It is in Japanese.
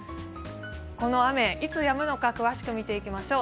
この雨いつやむのか詳しく見ていきましょう。